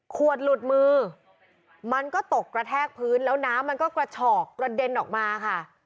ขวดหลุดมือมันก็ตกกระแทกพื้นแล้วน้ำมันก็กระฉอกกระเด็นออกมาค่ะ